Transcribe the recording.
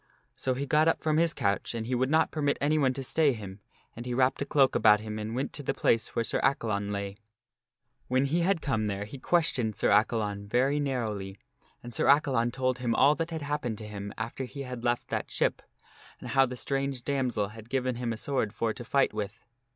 So he got up from his couch and he would not permit anyone to stay him, and he wrapped a cloak about him and went to the place where Sir Accalon lay. When he had come there he questioned Sir Accalon very narrowly and Sir Accalon told him all that had happened to him after he had left that ship, and how the strange damsel had given him a sword for to fight with.